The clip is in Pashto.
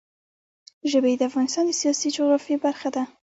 ژبې د افغانستان د سیاسي جغرافیه برخه ده.